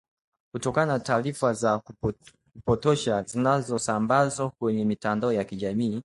kutokana na taarifa za kupotesha zinazosambazwa kwenye mitandao ya kijamii